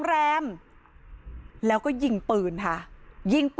มีชายแปลกหน้า๓คนผ่านมาทำทีเป็นช่วยค่างทาง